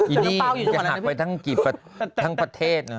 อีนี่ทั้งประเทศ